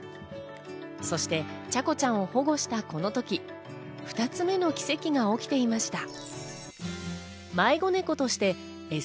そしてチャコちゃんを保護したこの時、２つ目の奇跡が起きていました。